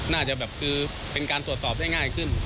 น่าจะแบบคือเป็นการตรวจสอบได้ง่ายขึ้น